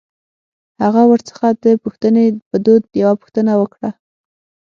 هغه ورڅخه د پوښتنې په دود يوه پوښتنه وکړه.